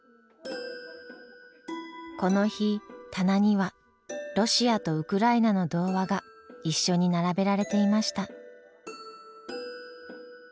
この日棚にはロシアとウクライナの童話が一緒に並べられていました。